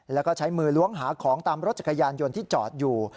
แล้วก็ใช้มือล้วงหาของตามรถจักรยานยนต์ที่จอดอยู่